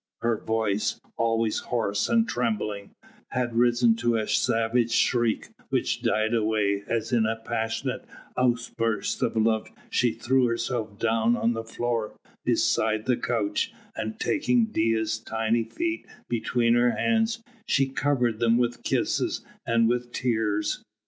Her voice, always hoarse and trembling, had risen to a savage shriek which died away as in a passionate outburst of love she threw herself down on the floor beside the couch, and taking Dea's tiny feet between her hands, she covered them with kisses and with tears.